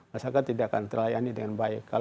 masyarakat tidak akan terlayani dengan baik